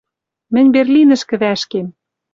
Мӹнь Берлинӹшкӹ вӓшкем.